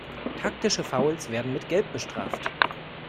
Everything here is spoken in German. Taktische Fouls werden mit Gelb bestraft.